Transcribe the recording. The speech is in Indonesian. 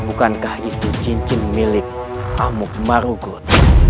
bukankah itu cincin milik amuk marukut